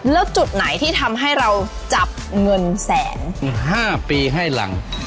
แล้วจุดไหนที่ทำให้เราจับเงินแสน๕ปีให้หลัง